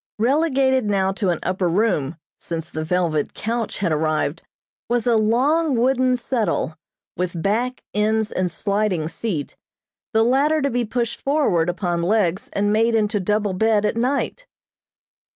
Relegated now to an upper room, since the velvet couch had arrived, was a long, wooden settle, with back, ends and sliding seat, the latter to be pushed forward upon legs and made into double bed at night.